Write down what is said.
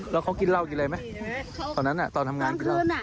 แล้วเขากินเหล้ากินอะไรไหมตอนนั้นตอนทำงานกินเหล้า